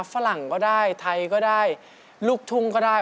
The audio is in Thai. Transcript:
ฝรั่งก็ได้ไทยก็ได้ลูกทุ่งก็ได้